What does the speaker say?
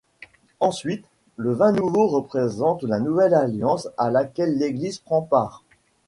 Ensuite, le vin nouveau représente la nouvelle alliance à laquelle l'Église prend part.